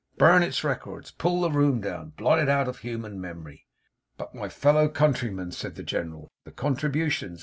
Burn its records! Pull the room down! Blot it out of human memory! 'But, my fellow countrymen!' said the General, 'the contributions.